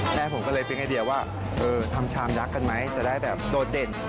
แม่ผมก็เลยเป็นไอเดียว่าทำชามยักษ์กันไหมจะได้แบบโดดเด่น